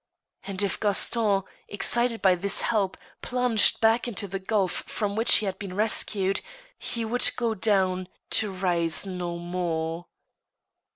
And if Gaston, excited by this help, plunged back into the gulf from which he had been rescued, he would go down, to rise no more.